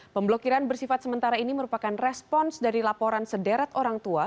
pemblokiran bersifat sementara ini merupakan respons dari laporan sederet orang tua